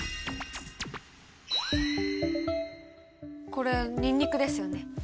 これニンニクですよね。